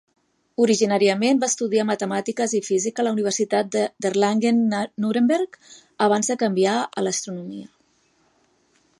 Originàriament va estudiar matemàtiques i física a la Universitat d'Erlangen-Nuremberg abans de canviar a Astronomia.